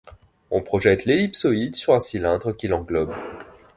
On projette l'ellipsoïde sur un cylindre qui l'englobe.